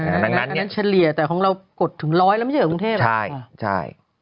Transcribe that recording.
อ่าดังนั้นเนี่ยเฉลี่ยแต่ของเรากดถึงร้อยแล้วไม่เจ๋งกรุงเทพฯใช่ใช่